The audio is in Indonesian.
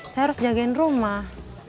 saya harus jagain rumah